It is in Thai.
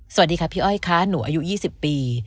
สวัสดีค่ะพี่อ้อยค่ะหนูอายุ๒๐ปี